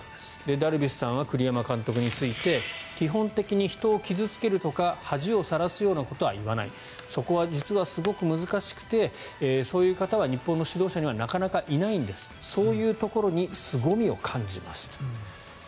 ダルビッシュさんは栗山監督について基本的に人を傷付けるとか恥をさらすようなことは言わないそこは、実はすごく難しくてそういう方は日本の指導者にはなかなかいないんですそういうところにすごみを感じますと。